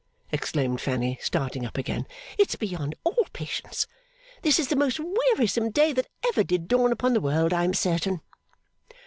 exclaimed Fanny, starting up again. 'It's beyond all patience! This is the most wearisome day that ever did dawn upon the world, I am certain.